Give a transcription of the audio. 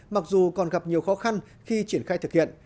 mặc dù còn gặp nhiều khó khăn khi triển khai thực hiện